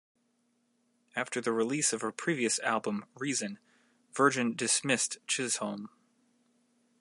After the release of her previous album "Reason", Virgin dismissed Chisholm.